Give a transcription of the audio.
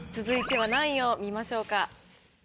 続いては何位を見ましょうか？